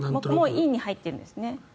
ここもインに入ってるんですね。